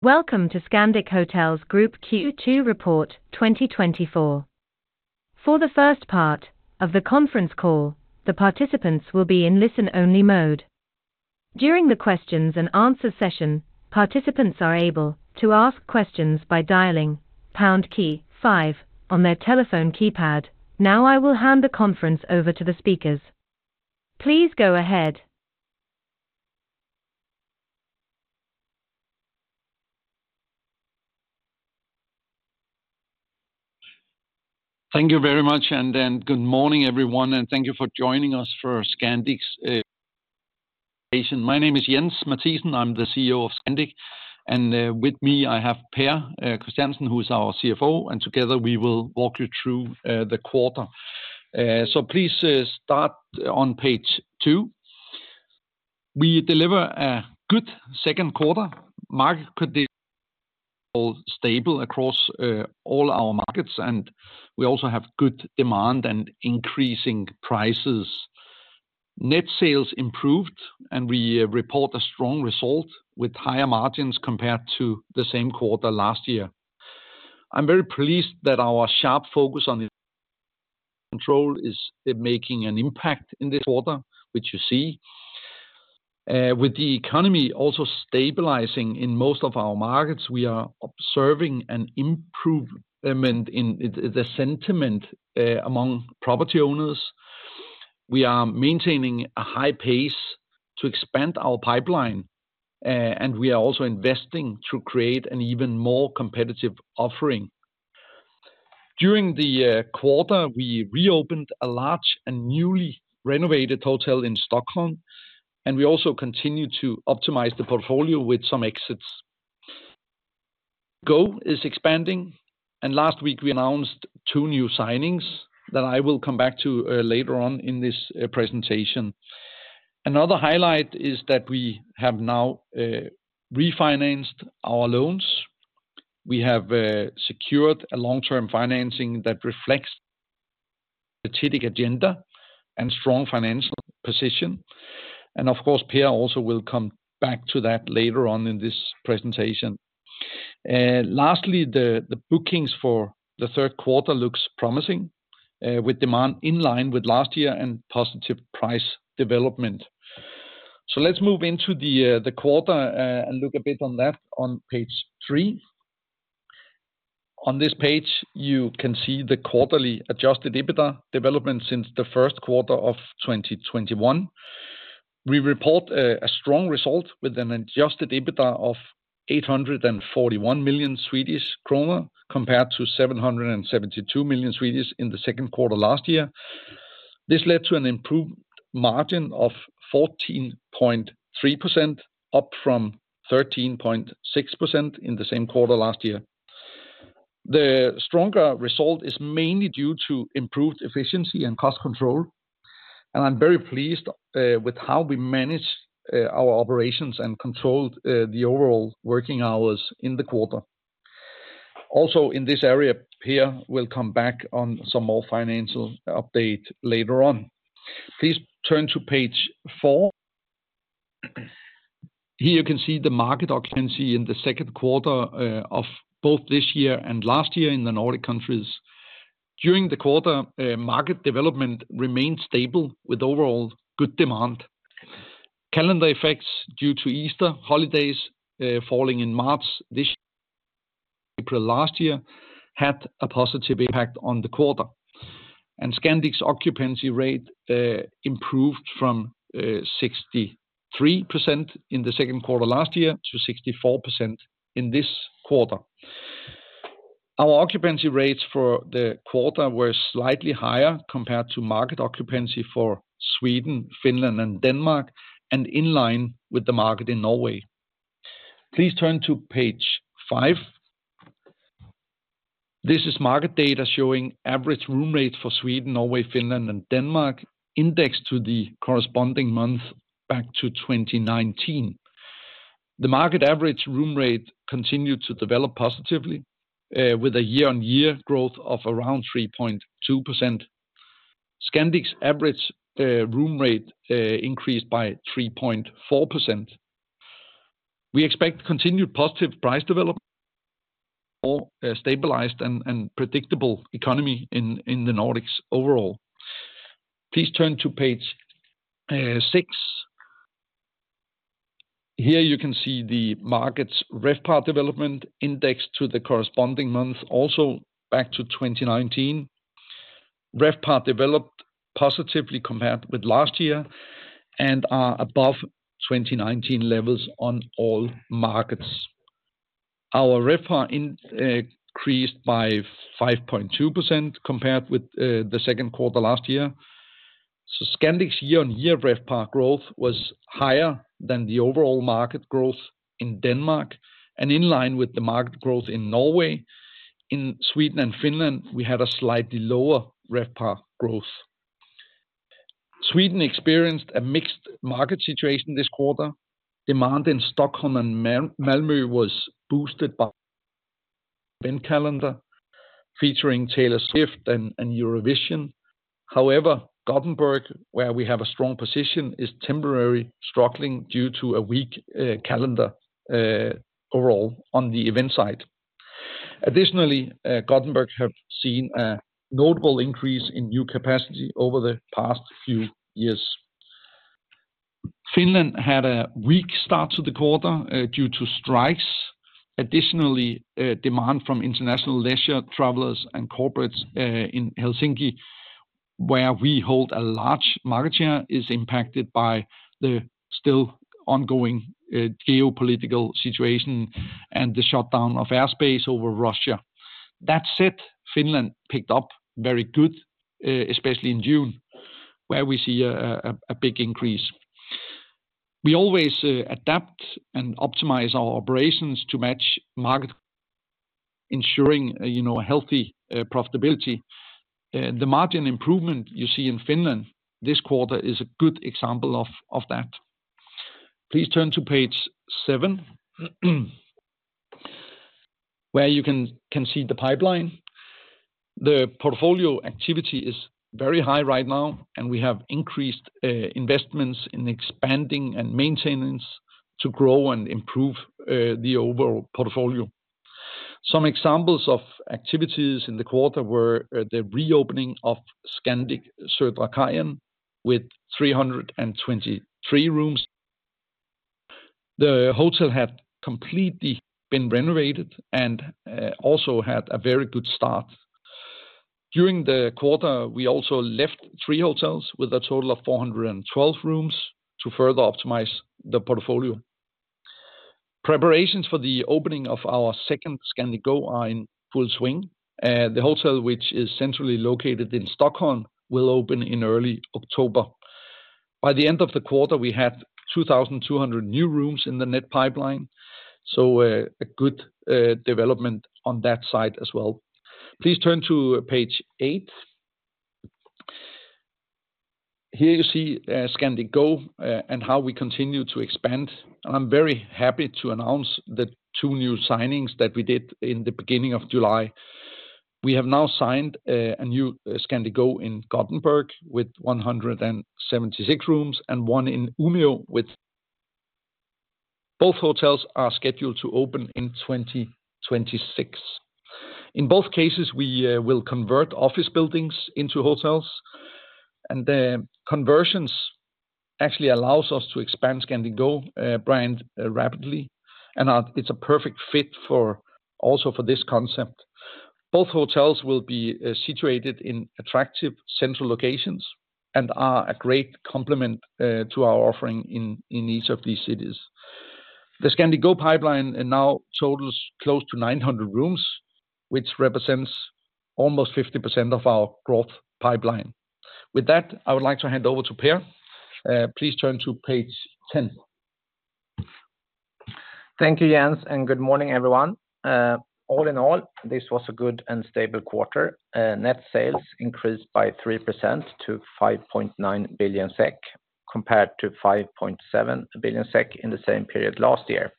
Welcome to Scandic Hotels Group Q2 2024 report. For the first part of the conference call, the participants will be in listen-only mode. During the questions and answer session, participants are able to ask questions by dialing pound key 5 on their telephone keypad. Now, I will hand the conference over to the speakers. Please go ahead. Thank you very much, and then good morning, everyone, and thank you for joining us for Scandic's presentation. My name is Jens Mathiesen. I'm the CEO of Scandic, and with me, I have Pär Christiansen, who is our CFO, and together, we will walk you through the quarter. So please start on page two. We deliver a good second quarter. Market conditions stable across all our markets, and we also have good demand and increasing prices. Net sales improved, and we report a strong result with higher margins compared to the same quarter last year. I'm very pleased that our sharp focus on control is making an impact in this quarter, which you see. With the economy also stabilizing in most of our markets, we are observing an improvement in the sentiment among property owners. We are maintaining a high pace to expand our pipeline, and we are also investing to create an even more competitive offering. During the quarter, we reopened a large and newly renovated hotel in Stockholm, and we also continued to optimize the portfolio with some exits. Go is expanding, and last week, we announced two new signings that I will come back to later on in this presentation. Another highlight is that we have now refinanced our loans. We have secured a long-term financing that reflects strategic agenda and strong financial position. And of course, Pär also will come back to that later on in this presentation. Lastly, the bookings for the third quarter looks promising, with demand in line with last year and positive price development. So let's move into the, the quarter, and look a bit on that on page three. On this page, you can see the quarterly Adjusted EBITDA development since the first quarter of 2021. We report a strong result with an Adjusted EBITDA of 841 million Swedish kronor, compared to 772 million in the second quarter last year. This led to an improved margin of 14.3%, up from 13.6% in the same quarter last year. The stronger result is mainly due to improved efficiency and cost control, and I'm very pleased, with how we managed, our operations and controlled, the overall working hours in the quarter. Also, in this area, Pär will come back on some more financial update later on. Please turn to page four. Here you can see the market occupancy in the second quarter of both this year and last year in the Nordic countries. During the quarter, market development remained stable with overall good demand. Calendar effects due to Easter holidays falling in March this year, April last year, had a positive impact on the quarter. Scandic's occupancy rate improved from 63% in the second quarter last year to 64% in this quarter. Our occupancy rates for the quarter were slightly higher compared to market occupancy for Sweden, Finland, and Denmark, and in line with the market in Norway. Please turn to page 5. This is market data showing average room rates for Sweden, Norway, Finland, and Denmark, indexed to the corresponding month back to 2019. The market average room rate continued to develop positively, with a year-on-year growth of around 3.2%. Scandic's average, room rate, increased by 3.4%. We expect continued positive price development or a stabilized and, and predictable economy in, in the Nordics overall. Please turn to page, six. Here you can see the market's RevPAR development indexed to the corresponding month, also back to 2019. RevPAR developed positively compared with last year and are above 2019 levels on all markets. Our RevPAR increased by 5.2% compared with, the second quarter last year. So Scandic's year-on-year RevPAR growth was higher than the overall market growth in Denmark and in line with the market growth in Norway. In Sweden and Finland, we had a slightly lower RevPAR growth. Sweden experienced a mixed market situation this quarter. Demand in Stockholm and Malmö was boosted by event calendar, featuring Taylor Swift and Eurovision. However, Gothenburg, where we have a strong position, is temporarily struggling due to a weak calendar overall on the event side. Additionally, Gothenburg have seen a notable increase in new capacity over the past few years. Finland had a weak start to the quarter due to strikes. Additionally, demand from international leisure travelers and corporates in Helsinki, where we hold a large market share, is impacted by the still ongoing geopolitical situation and the shutdown of airspace over Russia. That said, Finland picked up very good, especially in June, where we see a big increase. We always adapt and optimize our operations to match market, ensuring, you know, a healthy profitability. The margin improvement you see in Finland this quarter is a good example of that. Please turn to page 7, where you can see the pipeline. The portfolio activity is very high right now, and we have increased investments in expanding and maintaining to grow and improve the overall portfolio. Some examples of activities in the quarter were the reopening of Scandic Södra Kajen with 323 rooms. The hotel had completely been renovated and also had a very good start. During the quarter, we also left three hotels with a total of 412 rooms to further optimize the portfolio. Preparations for the opening of our second Scandic Go are in full swing. The hotel, which is centrally located in Stockholm, will open in early October. By the end of the quarter, we had 2,200 new rooms in the net pipeline, so, a good, development on that side as well. Please turn to page 8. Here you see, Scandic Go, and how we continue to expand. And I'm very happy to announce the two new signings that we did in the beginning of July. We have now signed, a new, Scandic Go in Gothenburg with 176 rooms and one in Umeå with... Both hotels are scheduled to open in 2026. In both cases, we, will convert office buildings into hotels, and the conversions actually allows us to expand Scandic Go, brand, rapidly, and, it's a perfect fit for-- also for this concept. Both hotels will be situated in attractive central locations and are a great complement to our offering in each of these cities. The Scandic Go pipeline now totals close to 900 rooms, which represents almost 50% of our growth pipeline. With that, I would like to hand over to Par. Please turn to page 10. Thank you, Jens, and good morning, everyone. All in all, this was a good and stable quarter. Net sales increased by 3% to 5.9 billion SEK, compared to 5.7 billion SEK in the same period last year.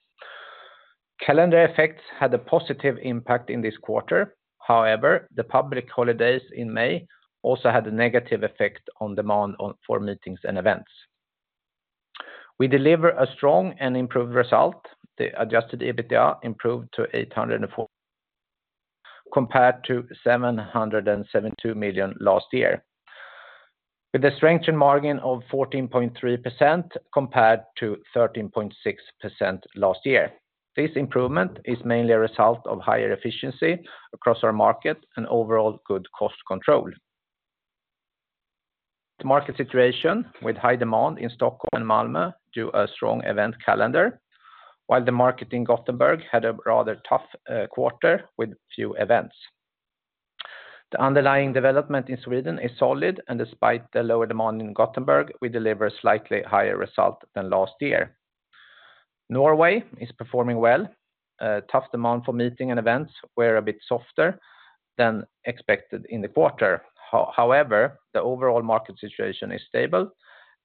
Calendar effects had a positive impact in this quarter. However, the public holidays in May also had a negative effect on demand for meetings and events. We deliver a strong and improved result. The adjusted EBITDA improved to 804 million, compared to 772 million last year, with a strengthened margin of 14.3% compared to 13.6% last year. This improvement is mainly a result of higher efficiency across our market and overall good cost control. The market situation, with high demand in Stockholm and Malmö, due to a strong event calendar, while the market in Gothenburg had a rather tough quarter with few events. The underlying development in Sweden is solid, and despite the lower demand in Gothenburg, we deliver slightly higher result than last year. Norway is performing well. Tough demand for meeting and events were a bit softer than expected in the quarter. However, the overall market situation is stable,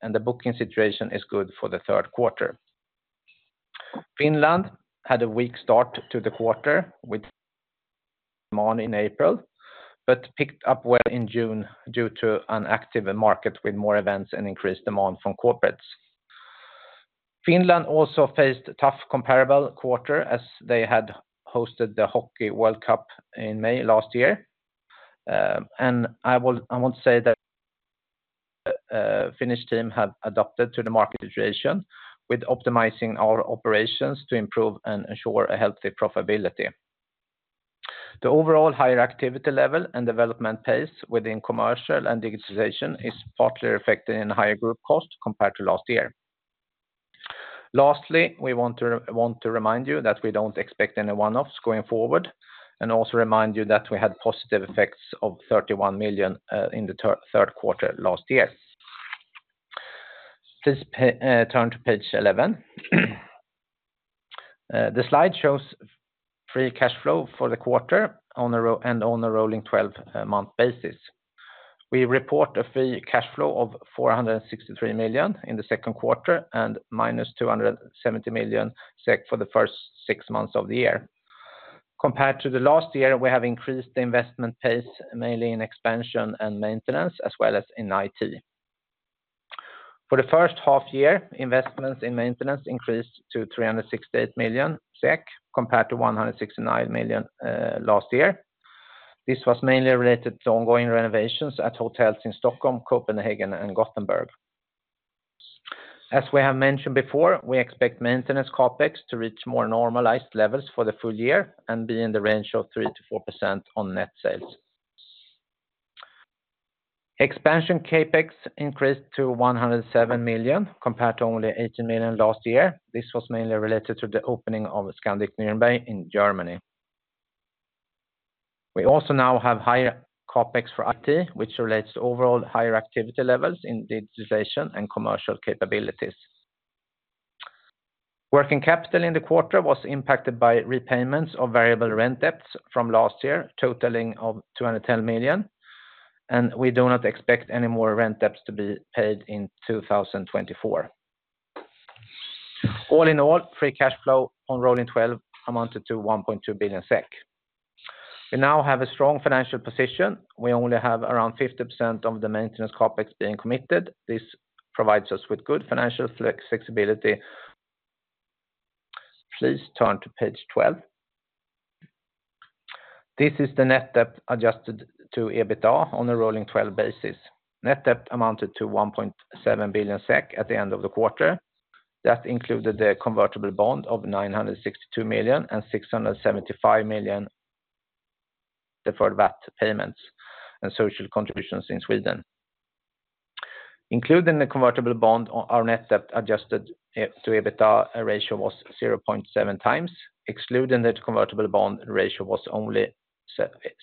and the booking situation is good for the third quarter. Finland had a weak start to the quarter with demand in April, but picked up well in June due to an active market with more events and increased demand from corporates. Finland also faced a tough comparable quarter, as they had hosted the Hockey World Cup in May last year. I want to say that the Finnish team have adapted to the market situation with optimizing our operations to improve and ensure a healthy profitability. The overall higher activity level and development pace within commercial and digitization is partly reflected in higher group cost compared to last year. Lastly, we want to remind you that we don't expect any one-offs going forward, and also remind you that we had positive effects of 31 million in the third quarter last year. Please turn to page 11. The slide shows free cash flow for the quarter on a rolling 12-month basis. We report a free cash flow of 463 million in the second quarter, and -270 million SEK for the first six months of the year. Compared to the last year, we have increased the investment pace, mainly in expansion and maintenance, as well as in IT. For the first half year, investments in maintenance increased to 368 million SEK, compared to 169 million last year. This was mainly related to ongoing renovations at hotels in Stockholm, Copenhagen, and Gothenburg. As we have mentioned before, we expect maintenance CapEx to reach more normalized levels for the full year and be in the range of 3%-4% on net sales. Expansion CapEx increased to 107 million, compared to only 18 million last year. This was mainly related to the opening of Scandic Nuremberg in Germany. We also now have higher CapEx for IT, which relates to overall higher activity levels in digitization and commercial capabilities. Working capital in the quarter was impacted by repayments of variable rent debts from last year, totaling 210 million, and we do not expect any more rent debts to be paid in 2024. All in all, free cash flow on rolling twelve amounted to 1.2 billion SEK. We now have a strong financial position. We only have around 50% of the maintenance CapEx being committed. This provides us with good financial flexibility. Please turn to page 12. This is the net debt adjusted to EBITDA on a rolling twelve basis. Net debt amounted to 1.7 billion SEK at the end of the quarter. That included the convertible bond of 962 million and 675 million deferred VAT payments and social contributions in Sweden. Including the convertible bond on our net debt adjusted to EBITDA, our ratio was 0.7 times. Excluding the convertible bond, the ratio was only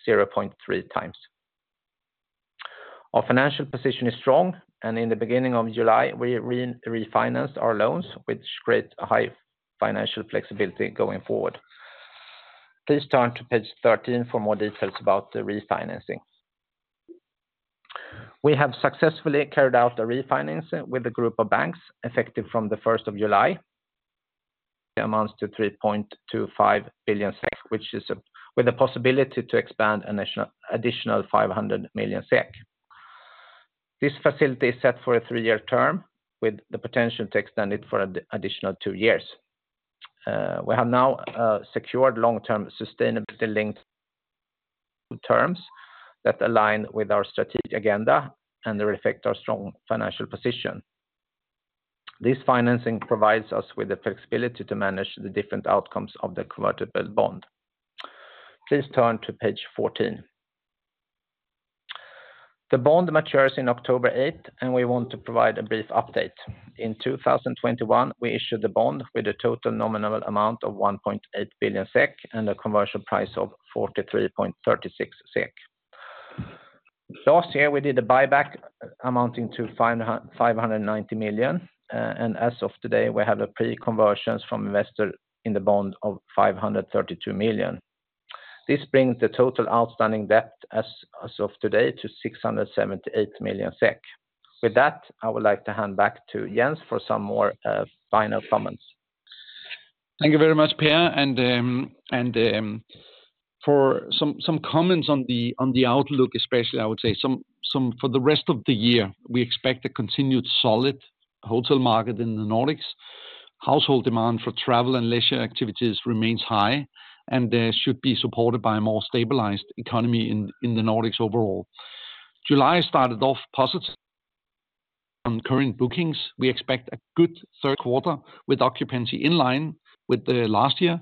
zero point three times. Our financial position is strong, and in the beginning of July, we refinanced our loans, which create a high financial flexibility going forward. Please turn to page 13 for more details about the refinancing. We have successfully carried out the refinancing with a group of banks, effective from the first of July. It amounts to 3.25 billion SEK, which is with the possibility to expand an additional 500 million SEK. This facility is set for a 3-year term, with the potential to extend it for additional 2 years. We have now secured long-term sustainability-linked terms that align with our strategic agenda and reflect our strong financial position. This financing provides us with the flexibility to manage the different outcomes of the convertible bond. Please turn to page 14. The bond matures in October 8th, and we want to provide a brief update. In 2021, we issued the bond with a total nominal amount of 1.8 billion SEK, and a conversion price of 43.36 SEK. Last year, we did a buyback amounting to 590 million, and as of today, we have a pre-conversions from investor in the bond of 532 million. This brings the total outstanding debt as of today to 678 million SEK. With that, I would like to hand back to Jens for some more final comments. Thank you very much, Pär, and for some comments on the outlook especially. I would say—for the rest of the year, we expect a continued solid hotel market in the Nordics. Hotel demand for travel and leisure activities remains high, and they should be supported by a more stabilized economy in the Nordics overall. July started off positive from current bookings. We expect a good third quarter, with occupancy in line with the last year,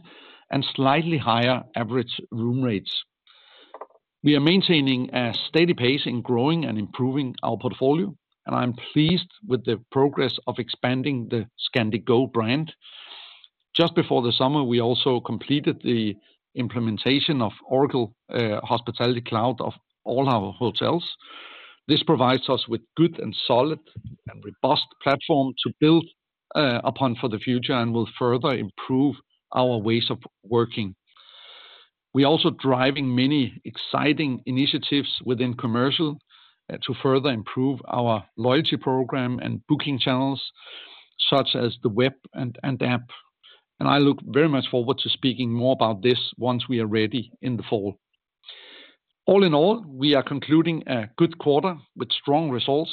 and slightly higher average room rates. We are maintaining a steady pace in growing and improving our portfolio, and I'm pleased with the progress of expanding the Scandic Go brand. Just before the summer, we also completed the implementation of Oracle Hospitality Cloud of all our hotels. This provides us with good and solid and robust platform to build upon for the future and will further improve our ways of working. We're also driving many exciting initiatives within commercial to further improve our loyalty program and booking channels, such as the web and app, and I look very much forward to speaking more about this once we are ready in the fall. All in all, we are concluding a good quarter with strong results.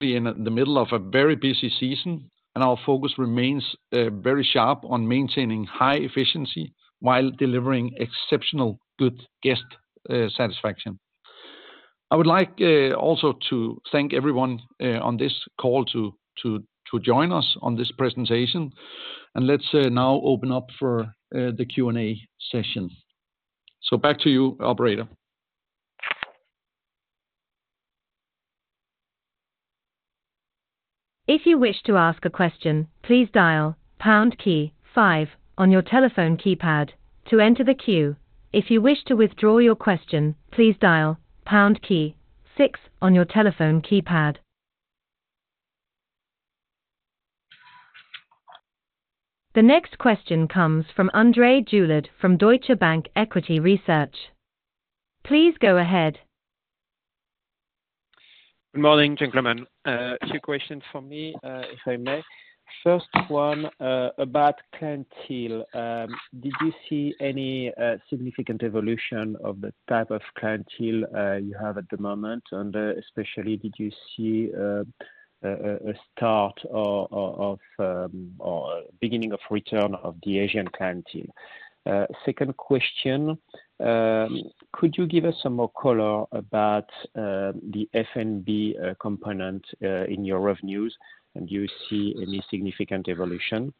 We are in the middle of a very busy season, and our focus remains very sharp on maintaining high efficiency while delivering exceptional good guest satisfaction. I would like also to thank everyone on this call to join us on this presentation, and let's now open up for the Q&A session. So back to you, operator. If you wish to ask a question, please dial pound key five on your telephone keypad to enter the queue. If you wish to withdraw your question, please dial pound key six on your telephone keypad. ... The next question comes from André Juillard from Deutsche Bank Equity Research. Please go ahead. Good morning, gentlemen. A few questions from me, if I may. First one, about clientele. Did you see any significant evolution of the type of clientele you have at the moment? And especially, did you see a start or a beginning of return of the Asian clientele? Second question, could you give us some more color about the F&B component in your revenues? And do you see any significant evolution?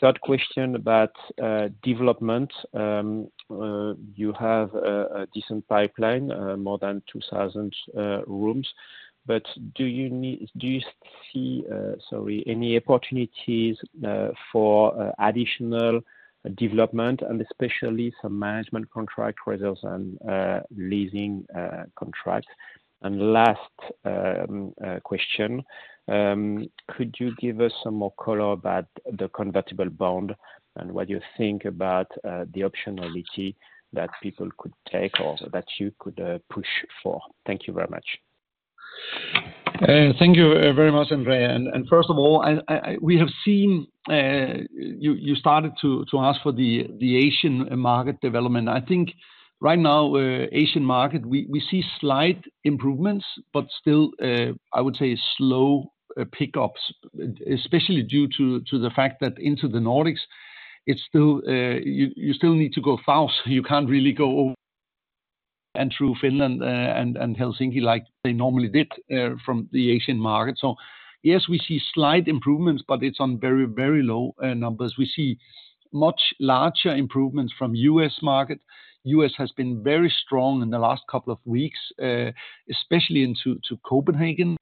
Third question about development. You have a decent pipeline, more than 2,000 rooms. But do you see any opportunities for additional development, and especially some management contract results and leasing contracts? Last question, could you give us some more color about the convertible bond, and what you think about the optionality that people could take or that you could push for? Thank you very much. Thank you very much, André. And first of all, we have seen you started to ask for the Asian market development. I think right now, Asian market, we see slight improvements, but still, I would say slow pickups, especially due to the fact that into the Nordics, it's still... You still need to go fast. You can't really go through Finland and Helsinki like they normally did from the Asian market. So yes, we see slight improvements, but it's on very, very low numbers. We see much larger improvements from U.S. market. U.S. has been very strong in the last couple of weeks, especially into Copenhagen,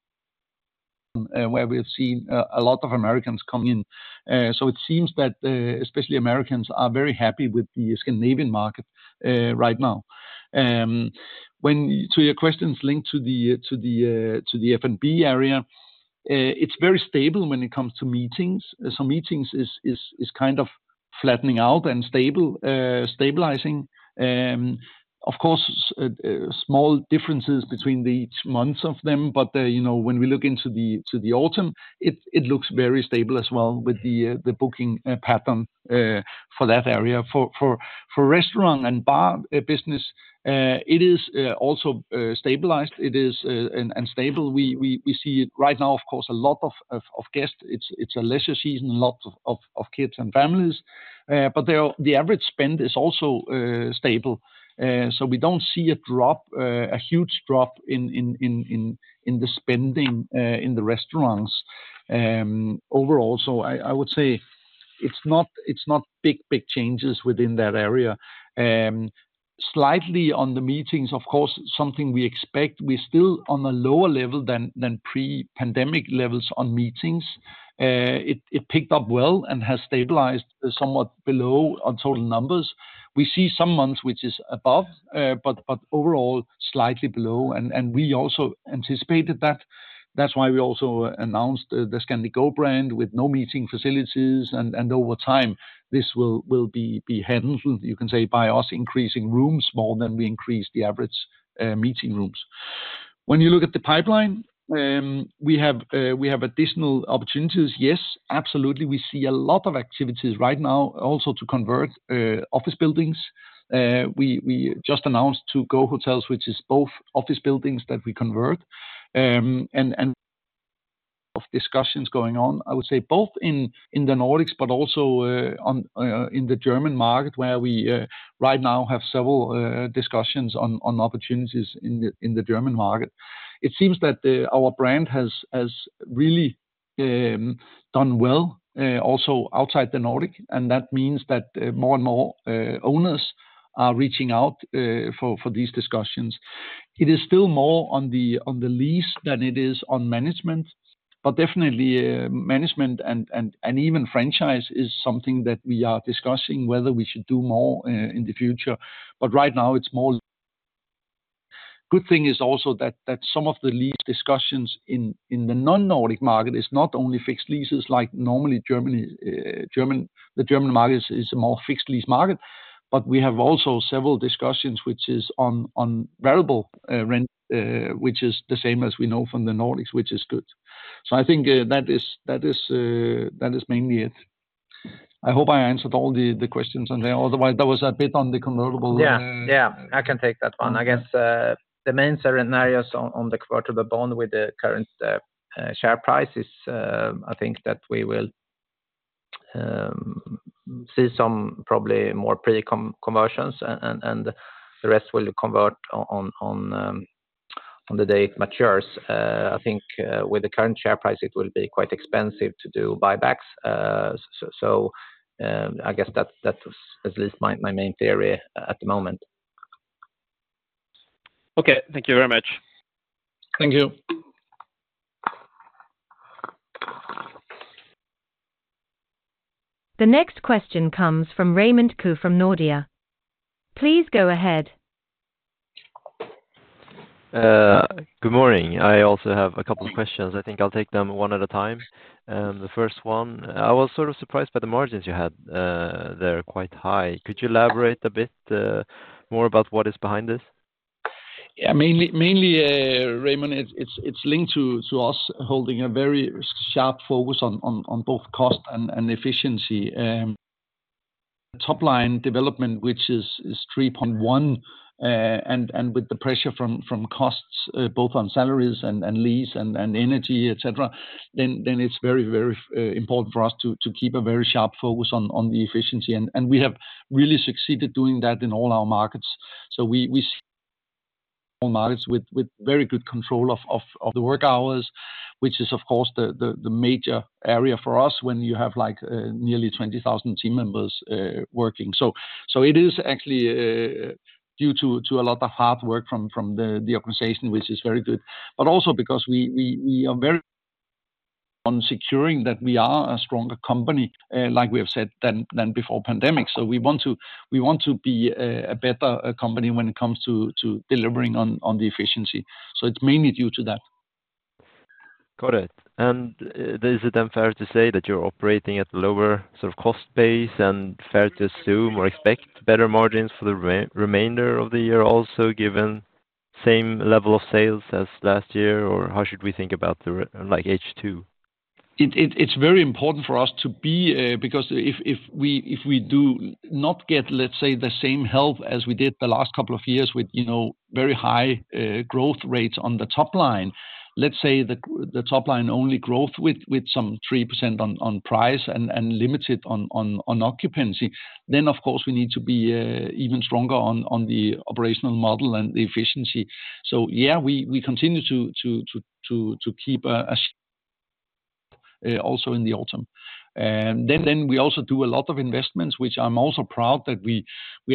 where we've seen a lot of Americans coming in. So it seems that, especially Americans, are very happy with the Scandinavian market, right now. When it comes to your questions linked to the F&B area, it's very stable when it comes to meetings. So meetings is kind of flattening out and stable, stabilizing. Of course, small differences between each month of them, but you know, when we look into the autumn, it looks very stable as well with the booking pattern for that area. For restaurant and bar business, it is also stabilized. It is and stable. We see it right now, of course, a lot of guests. It's a leisure season, lots of kids and families. But the average spend is also stable. So we don't see a drop, a huge drop in the spending in the restaurants. Overall, so I would say it's not big changes within that area. Slightly on the meetings, of course, something we expect. We're still on a lower level than pre-pandemic levels on meetings. It picked up well and has stabilized somewhat below on total numbers. We see some months, which is above, but overall, slightly below. We also anticipated that. That's why we also announced the Scandic Go brand with no meeting facilities, and over time, this will be handled, you can say, by us increasing rooms more than we increase the average meeting rooms. When you look at the pipeline, we have additional opportunities. Yes, absolutely. We see a lot of activities right now, also to convert office buildings. We just announced two Go hotels, which is both office buildings that we convert. And discussions going on, I would say, both in the Nordics, but also in the German market, where we right now have several discussions on opportunities in the German market. It seems that our brand has really done well also outside the Nordics, and that means that more and more owners are reaching out for these discussions. It is still more on the, on the lease than it is on management, but definitely, management and even franchise is something that we are discussing, whether we should do more, in the future. But right now, it's more... Good thing is also that some of the lease discussions in the non-Nordic market is not only fixed leases, like normally Germany, German, the German market is a more fixed lease market. But we have also several discussions, which is on variable rent, which is the same as we know from the Nordics, which is good. So I think that is mainly it. I hope I answered all the questions, André. Otherwise, there was a bit on the convertible. Yeah, yeah, I can take that one. I guess, the main scenarios on, on the convertible bond with the current, share price is, I think that we will, see some probably more pre-conversions, and, and, and the rest will convert on, on, on the day it matures. I think, with the current share price, it will be quite expensive to do buybacks. So, I guess that's, that's at least my, my main theory at the moment. Okay, thank you very much. Thank you. The next question comes from Raymond Ke, from Nordea. Please go ahead.... Good morning. I also have a couple questions. I think I'll take them one at a time. The first one, I was sort of surprised by the margins you had. They're quite high. Could you elaborate a bit more about what is behind this? Yeah, mainly, mainly, Raymond, it's linked to us holding a very sharp focus on both cost and efficiency. Top line development, which is 3.1, and with the pressure from costs, both on salaries and lease and energy, et cetera, then it's very, very important for us to keep a very sharp focus on the efficiency. And we have really succeeded doing that in all our markets. So we all markets with very good control of the work hours, which is, of course, the major area for us when you have, like, nearly 20,000 team members working. It is actually due to a lot of hard work from the organization, which is very good. But also because we are very on securing that we are a stronger company, like we have said, than before pandemic. So we want to be a better company when it comes to delivering on the efficiency. So it's mainly due to that. Got it. And, is it then fair to say that you're operating at lower sort of cost base, and fair to assume or expect better margins for the remainder of the year also, given same level of sales as last year? Or how should we think about the, like, H2? It's very important for us to be, because if we do not get, let's say, the same help as we did the last couple of years with, you know, very high growth rates on the top line, let's say the top line only growth with some 3% on price and limited on occupancy, then of course we need to be even stronger on the operational model and the efficiency. So yeah, we continue to keep also in the autumn. And then we also do a lot of investments, which I'm also proud that we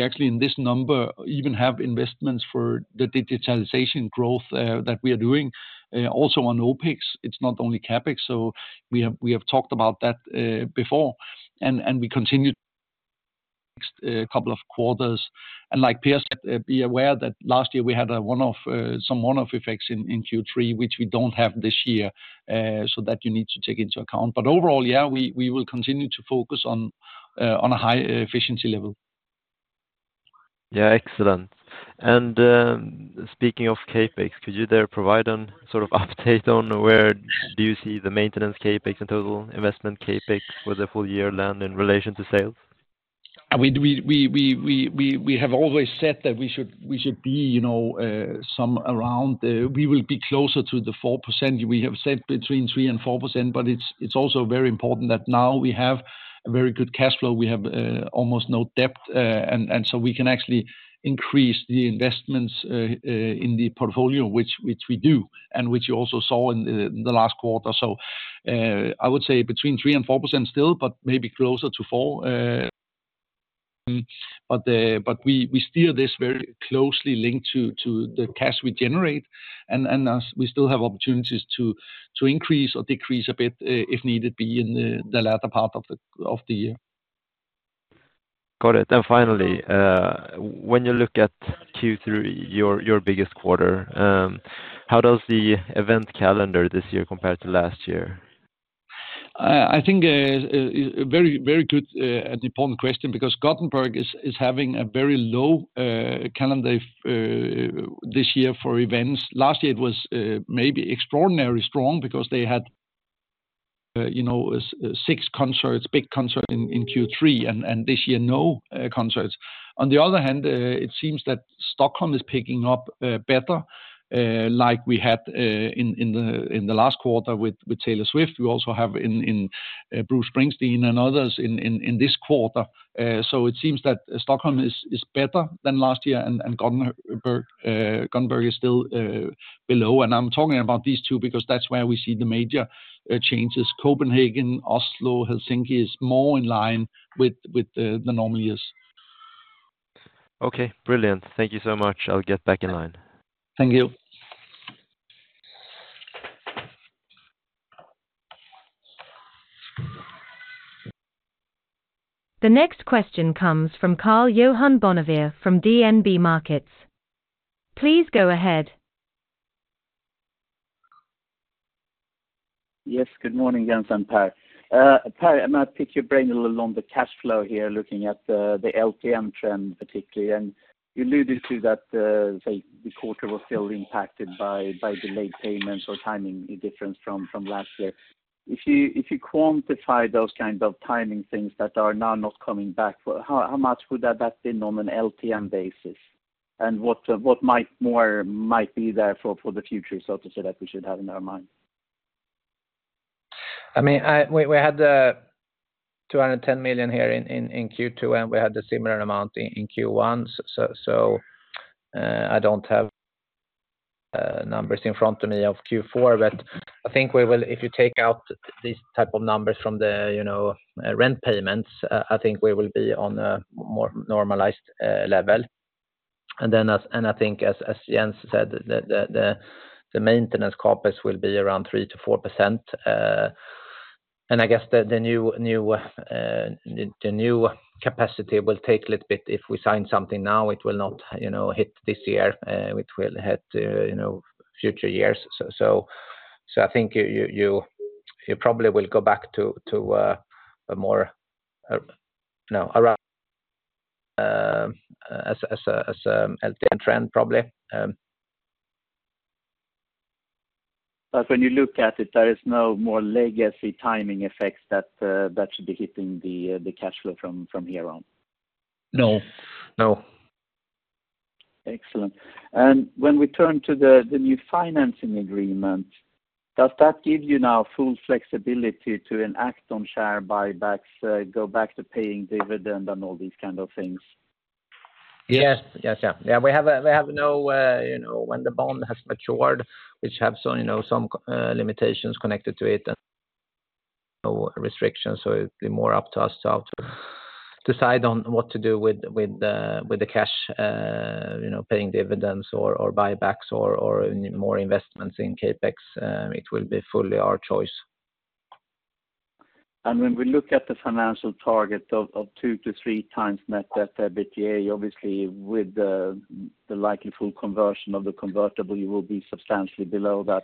actually, in this number, even have investments for the digitalization growth that we are doing. Also on OPEX, it's not only CapEx, so we have talked about that before, and we continue to couple of quarters. And like Pierce said, be aware that last year we had a one-off, some one-off effects in Q3, which we don't have this year, so that you need to take into account. But overall, yeah, we will continue to focus on a high efficiency level. Yeah, excellent. And, speaking of CapEx, could you there provide a sort of update on where do you see the maintenance CapEx and total investment CapEx for the full year land in relation to sales? We have always said that we should be, you know, some around, we will be closer to the 4%. We have said between 3% and 4%, but it's also very important that now we have a very good cash flow. We have almost no debt, and so we can actually increase the investments in the portfolio, which we do, and which you also saw in the last quarter. So, I would say between 3% and 4% still, but maybe closer to 4%, but we steer this very closely linked to the cash we generate, and as we still have opportunities to increase or decrease a bit, if needed, be in the latter part of the year. Got it. Finally, when you look at Q3, your biggest quarter, how does the event calendar this year compare to last year? I think very, very good and important question, because Gothenburg is having a very low calendar this year for events. Last year it was maybe extraordinarily strong because they had, you know, six concerts, big concerts in Q3, and this year, no concerts. On the other hand, it seems that Stockholm is picking up better, like we had in the last quarter with Taylor Swift. We also have Bruce Springsteen and others in this quarter. So it seems that Stockholm is better than last year, and Gothenburg is still below. And I'm talking about these two because that's where we see the major changes. Copenhagen, Oslo, Helsinki is more in line with the normal years. Okay, brilliant. Thank you so much. I'll get back in line. Thank you. The next question comes from Karl-Johan Bonnevier from DNB Markets. Please go ahead. Yes, good morning, Jens and Pär. Pär, I'm going to pick your brain a little on the cash flow here, looking at the LTM trend particularly. And you alluded to that, say, the quarter was still impacted by delayed payments or timing difference from last year. If you quantify those kind of timing things that are now not coming back, well, how much would that be on an LTM basis? And what more might be there for the future, so to say, that we should have in our mind? I mean, we had 210 million here in Q2, and we had a similar amount in Q1. So, I don't have numbers in front of me of Q4, but I think we will, if you take out these type of numbers from the, you know, rent payments, I think we will be on a more normalized level. And then as Jens said, the maintenance CapEx will be around 3%-4%. And I guess the new capacity will take a little bit. If we sign something now, it will not, you know, hit this year, it will hit, you know, future years. So, I think you probably will go back to a more around as a LTM trend, probably. But when you look at it, there is no more legacy timing effects that should be hitting the cash flow from here on? No, no. Excellent. When we turn to the new financing agreement, does that give you now full flexibility to enact on share buybacks, go back to paying dividend and all these kind of things? Yes. Yes, yeah. Yeah, we have no, you know, when the bond has matured, which have some, you know, some limitations connected to it and no restrictions, so it'll be more up to us to have to decide on what to do with, with the cash, you know, paying dividends or, or buybacks or, or more investments in CapEx. It will be fully our choice. When we look at the financial target of two to three times net debt EBITDA, obviously, with the likely full conversion of the convertible, you will be substantially below that.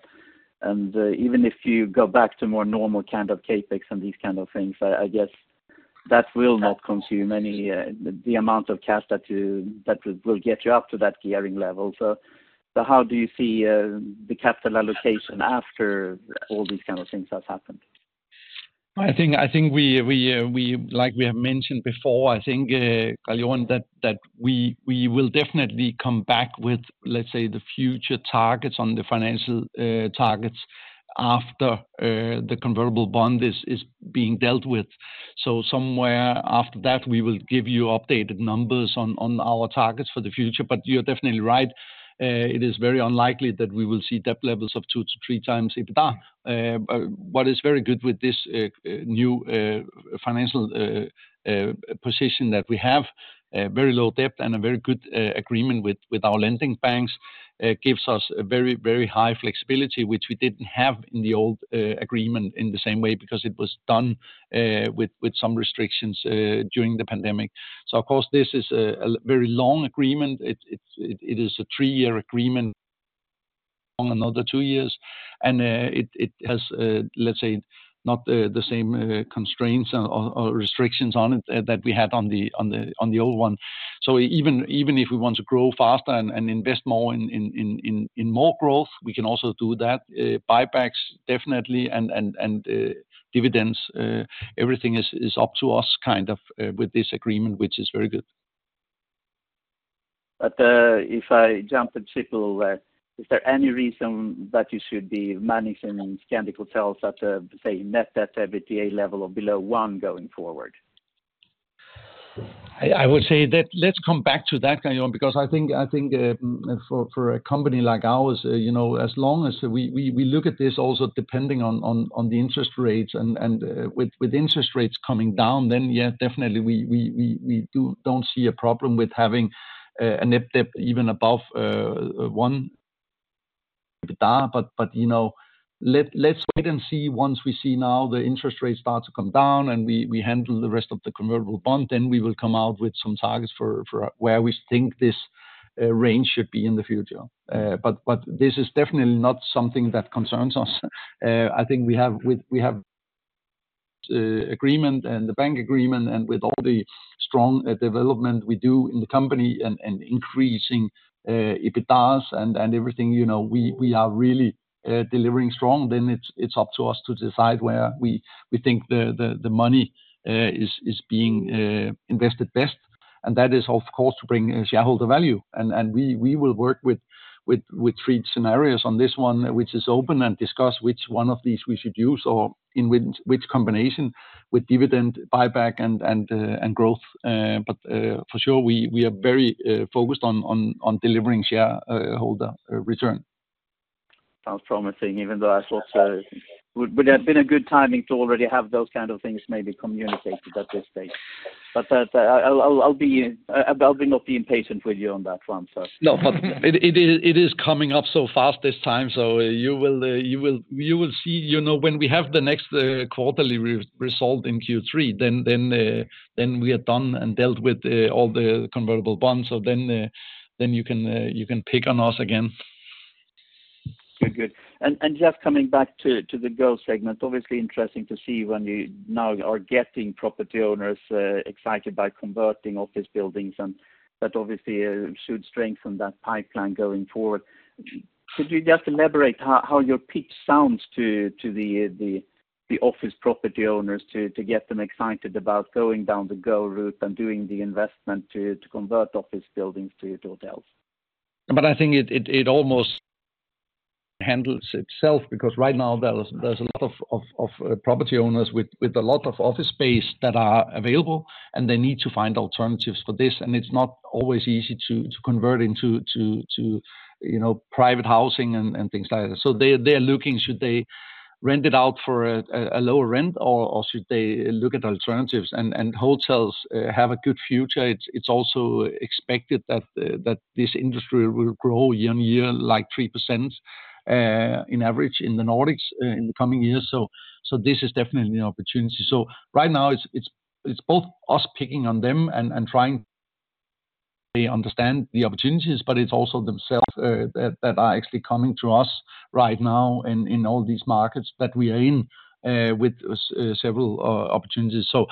Even if you go back to more normal kind of CapEx and these kind of things, I guess that will not consume any the amount of cash that will get you up to that gearing level. So how do you see the capital allocation after all these kind of things has happened? I think we, like we have mentioned before, I think, Karl-Johan, that we will definitely come back with, let's say, the future targets on the financial targets after the convertible bond is being dealt with. So somewhere after that, we will give you updated numbers on our targets for the future. But you're definitely right, it is very unlikely that we will see debt levels of 2-3 times EBITDA. But what is very good with this new financial position that we have, very low debt and a very good agreement with our lending banks, gives us a very, very high flexibility, which we didn't have in the old agreement in the same way, because it was done with some restrictions during the pandemic. So of course, this is a very long agreement. It is a 3-year agreement on another 2 years, and it has, let's say, not the same constraints or restrictions on it that we had on the old one. So even if we want to grow faster and invest more in more growth, we can also do that. Buybacks, definitely, and dividends, everything is up to us, kind of, with this agreement, which is very good. But, if I jump the ship a little, is there any reason that you should be managing in Scandic Hotels at a, say, net debt to EBITDA level of below one going forward? I would say that let's come back to that, Karl-Johan Bonnevier, because I think, for a company like ours, you know, as long as we look at this also depending on the interest rates and, with interest rates coming down, then, yeah, definitely, we don't see a problem with having a net debt even above one EBITDA. But, you know, let's wait and see. Once we see now the interest rates start to come down and we handle the rest of the convertible bond, then we will come out with some targets for where we think this range should be in the future. But this is definitely not something that concerns us. I think we have agreement and the bank agreement, and with all the strong development we do in the company and increasing EBITDAs and everything, you know, we are really delivering strong. Then it's up to us to decide where we think the money is being invested best. And that is, of course, to bring shareholder value. And we will work with three scenarios on this one, which is open, and discuss which one of these we should use or in which combination with dividend, buyback, and growth. But for sure, we are very focused on delivering shareholder return. Sounds promising, even though I thought would have been a good timing to already have those kind of things maybe communicated at this stage. But, I'll be not being patient with you on that one, so. No, but it is coming up so fast this time, so you will see, you know, when we have the next quarterly result in Q3, then we are done and dealt with all the convertible bonds. So then you can pick on us again. Good. Good. And just coming back to the Go segment, obviously interesting to see when you now are getting property owners excited by converting office buildings, and that obviously should strengthen that pipeline going forward. Could you just elaborate how your pitch sounds to the office property owners to get them excited about going down the Go route and doing the investment to convert office buildings to hotels? But I think it almost handles itself, because right now there is, there's a lot of property owners with a lot of office space that are available, and they need to find alternatives for this, and it's not always easy to convert into, you know, private housing and things like that. So they are looking, should they rent it out for a lower rent or should they look at alternatives? And hotels have a good future. It's also expected that this industry will grow year on year, like 3%, in average, in the Nordics, in the coming years. So this is definitely an opportunity. So right now it's both us picking on them and trying to-... They understand the opportunities, but it's also themselves that are actually coming to us right now in all these markets that we are in with several opportunities. So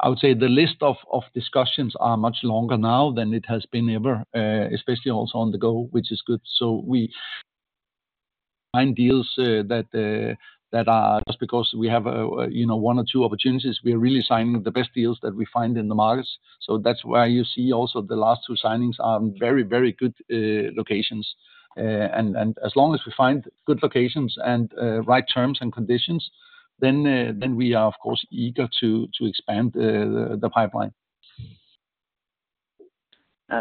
I would say the list of discussions are much longer now than it has been ever, especially also on the go, which is good. So we find deals that are just because we have, you know, one or two opportunities, we are really signing the best deals that we find in the markets. So that's why you see also the last two signings are very, very good locations. And as long as we find good locations and right terms and conditions, then we are, of course, eager to expand the pipeline.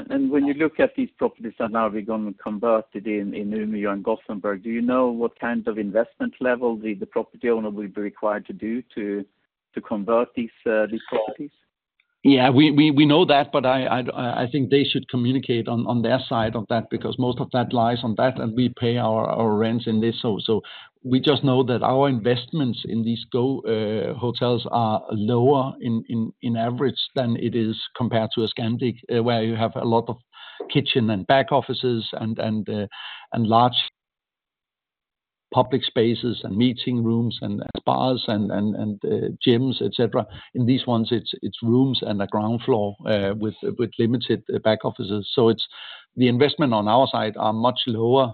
When you look at these properties that now are going to convert in Umeå and Gothenburg, do you know what kind of investment level the property owner will be required to do to convert these properties? Yeah, we know that, but I think they should communicate on their side of that, because most of that lies on that, and we pay our rents in this. So we just know that our investments in these Go hotels are lower in average than it is compared to a Scandic, where you have a lot of kitchen and back offices and large public spaces and meeting rooms and spas and gyms, et cetera. In these ones, it's rooms and a ground floor with limited back offices. So it's the investment on our side are much lower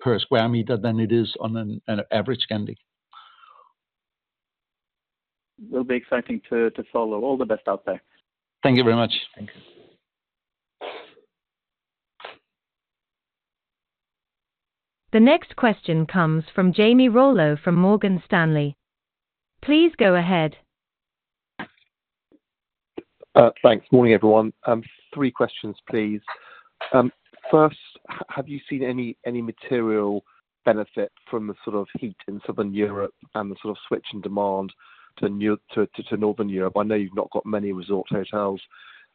per square meter than it is on an average Scandic. Will be exciting to follow. All the best out there. Thank you very much. Thank you. The next question comes from Jamie Rollo from Morgan Stanley. Please go ahead. Thanks. Morning, everyone. Three questions, please. First, have you seen any material benefit from the sort of heat in Southern Europe and the sort of switch in demand to Northern Europe? I know you've not got many resort hotels,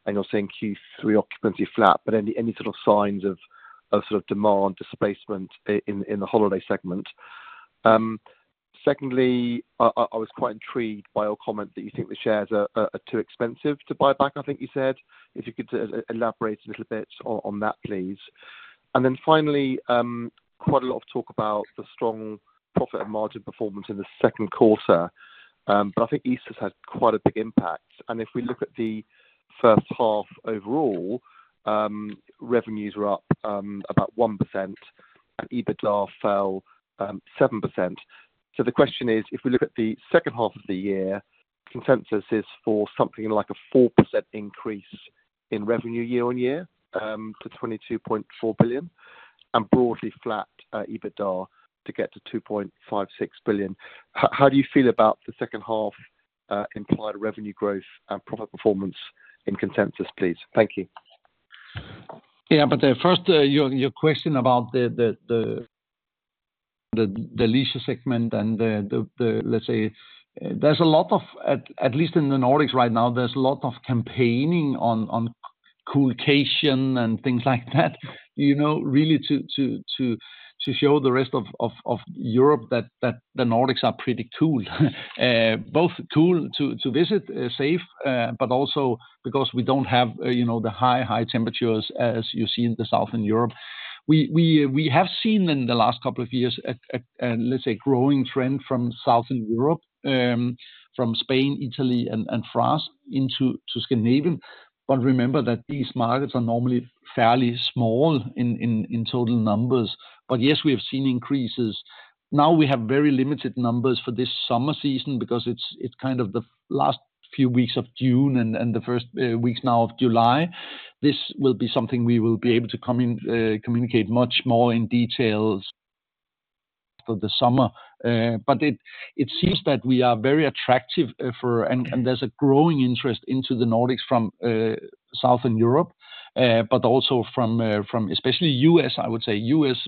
and you're seeing Q3 occupancy flat, but any sort of signs of sort of demand displacement in the holiday segment? Secondly, I was quite intrigued by your comment that you think the shares are too expensive to buy back, I think you said. If you could elaborate a little bit on that, please. And then finally, quite a lot of talk about the strong profit and margin performance in the second quarter. But I think Easter's had quite a big impact. And if we look at the first half overall, revenues were up about 1%, and EBITDA fell 7%. So the question is: If we look at the second half of the year, consensus is for something like a 4% increase in revenue year on year to 22.4 billion, and broadly flat EBITDA to get to 2.56 billion. How do you feel about the second half implied revenue growth and profit performance in consensus, please? Thank you. Yeah, but first, your question about the leisure segment and the... Let's say, there's a lot of, at least in the Nordics right now, there's a lot of campaigning on coolcation and things like that, you know, really to show the rest of Europe that the Nordics are pretty cool. Both cool to visit, safe, but also because we don't have, you know, the high temperatures as you see in the Southern Europe. We have seen in the last couple of years, let's say, a growing trend from Southern Europe, from Spain, Italy, and France into Scandinavia. But remember that these markets are normally fairly small in total numbers. But yes, we have seen increases. Now we have very limited numbers for this summer season because it's kind of the last few weeks of June and the first weeks now of July. This will be something we will be able to communicate much more in details for the summer. But it seems that we are very attractive for. And there's a growing interest into the Nordics from Southern Europe, but also from especially U.S., I would say. U.S.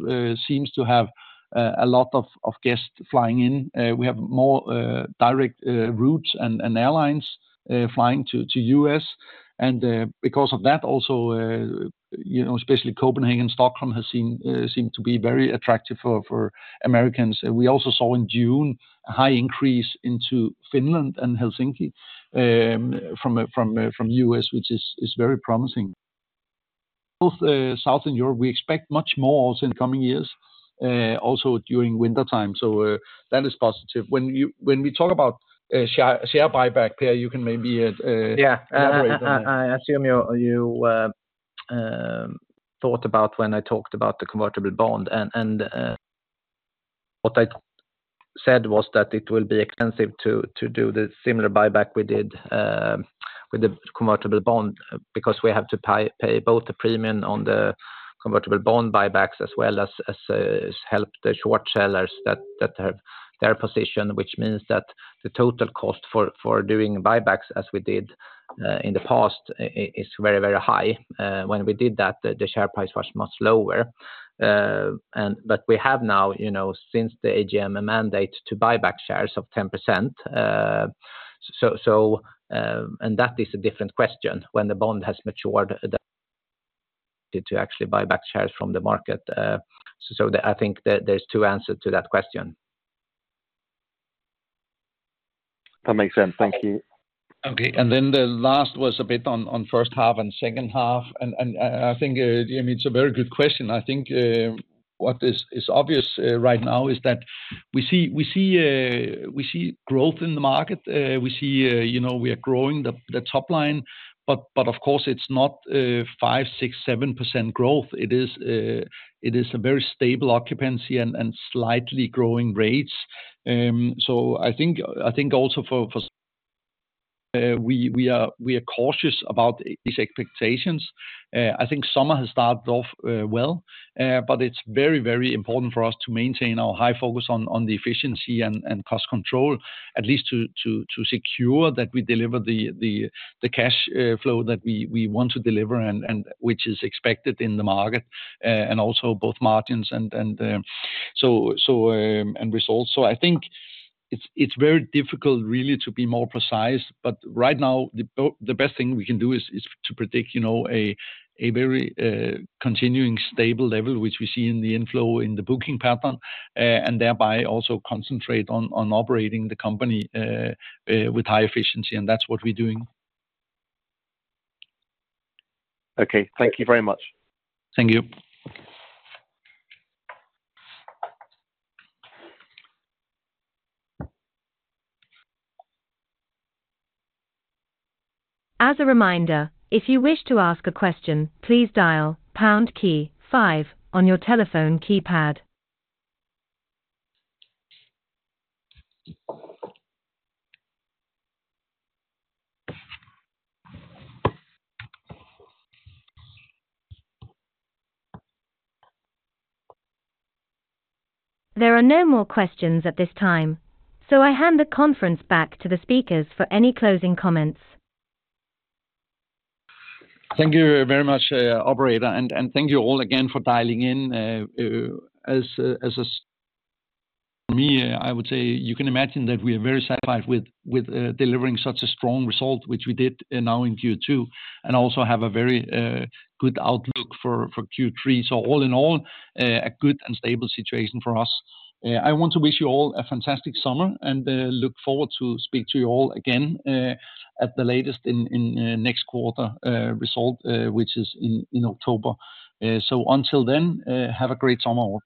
seems to have a lot of guests flying in. We have more direct routes and airlines flying to US. And because of that, also, you know, especially Copenhagen, Stockholm has seen seem to be very attractive for Americans. We also saw in June a high increase into Finland and Helsinki from US which is very promising. Both Southern Europe, we expect much more also in the coming years also during wintertime. So that is positive. When we talk about share buyback, Per, you can maybe Yeah. Elaborate on that. I assume you thought about when I talked about the convertible bond, and what I said was that it will be expensive to do the similar buyback we did with the convertible bond, because we have to pay both the premium on the convertible bond buybacks as well as help the short sellers that have their position, which means that the total cost for doing buybacks as we did in the past is very, very high. When we did that, the share price was much lower. But we have now, you know, since the AGM, a mandate to buy back shares of 10%. So, and that is a different question, when the bond has matured, to actually buy back shares from the market. So, I think there, there's two answer to that question.... That makes sense. Thank you. Okay, and then the last was a bit on first half and second half, and I think, I mean, it's a very good question. I think what is obvious right now is that we see growth in the market. We see, you know, we are growing the top line, but of course it's not 5%-7% growth. It is a very stable occupancy and slightly growing rates. So I think also for we are cautious about these expectations. I think summer has started off well, but it's very, very important for us to maintain our high focus on the efficiency and cost control, at least to secure that we deliver the cash flow that we want to deliver and which is expected in the market, and also both margins and so and results. So I think it's very difficult really to be more precise, but right now, the best thing we can do is to predict, you know, a very continuing stable level, which we see in the inflow in the booking pattern, and thereby also concentrate on operating the company with high efficiency, and that's what we're doing. Okay. Thank you very much. Thank you. As a reminder, if you wish to ask a question, please dial pound key 5 on your telephone keypad. There are no more questions at this time, so I hand the conference back to the speakers for any closing comments. Thank you very much, operator, and thank you all again for dialing in. As for me, I would say you can imagine that we are very satisfied with delivering such a strong result, which we did now in Q2, and also have a very good outlook for Q3. So all in all, a good and stable situation for us. I want to wish you all a fantastic summer, and look forward to speak to you all again at the latest in next quarter result, which is in October. So until then, have a great summer all.